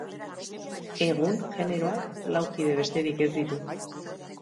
Egun generoak lau kide besterik ez ditu.